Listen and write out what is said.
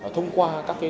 thông qua các cái